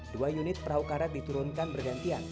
dua unit perahu karet diturunkan bergantian